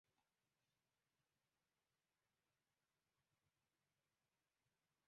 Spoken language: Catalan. M'agradaria anar al carrer de Cienfuegos sense agafar el metro.